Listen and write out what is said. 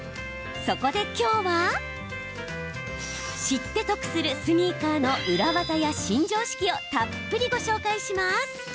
そこで、きょうは知って得するスニーカーの裏技や新常識をたっぷりご紹介します。